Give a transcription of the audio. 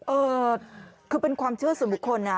เออคือเป็นความเชื่อส่วนบุคคลนะ